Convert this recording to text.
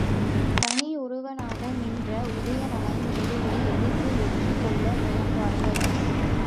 தனியொருவனாக நின்ற உதயணனை நெருங்கி எதிர்த்து வெற்றி கொள்ள முயன்றார்கள்.